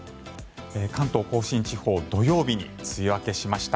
関東・甲信地方土曜日に梅雨明けしました。